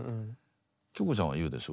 希子ちゃんは言うでしょ？